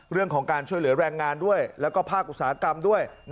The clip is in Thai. เรื่องของการช่วยเหลือแรงงานด้วยแล้วก็ภาคอุตสาหกรรมด้วย